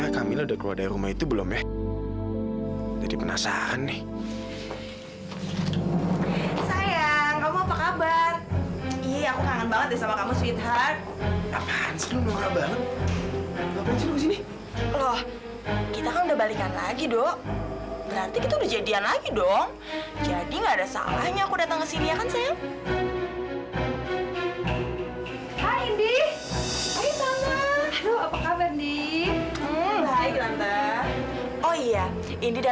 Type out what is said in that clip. sampai jumpa di video selanjutnya